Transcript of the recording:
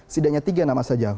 sedangnya tiga nama saja